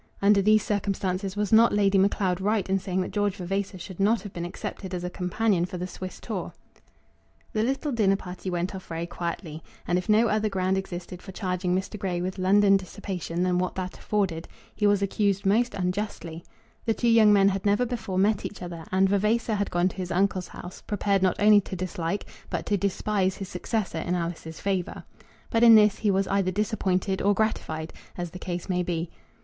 Under these circumstances was not Lady Macleod right in saying that George Vavasor should not have been accepted as a companion for the Swiss tour? [Illustration: "Sometimes you drive me too hard."] The little dinner party went off very quietly; and if no other ground existed for charging Mr. Grey with London dissipation than what that afforded, he was accused most unjustly. The two young men had never before met each other; and Vavasor had gone to his uncle's house, prepared not only to dislike but to despise his successor in Alice's favour. But in this he was either disappointed or gratified, as the case may be.